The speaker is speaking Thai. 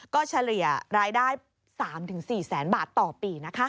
ก็เฉลี่ยรายได้๓๔แสนบาทต่อปีนะคะ